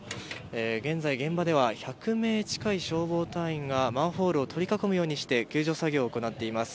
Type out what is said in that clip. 現在現場では１００名近い消防隊員がマンホールを取り囲むようにして救助作業を行っています。